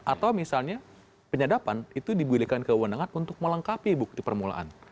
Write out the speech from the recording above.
atau misalnya penyadapan itu dibuilkan kewenangan untuk melengkapi bukti permulaan